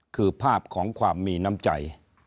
คือภาพของความมีน้ำใจ